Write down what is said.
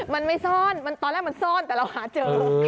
มันไม่ซ่อนตอนแรกมันซ่อนแต่เราหาเจอ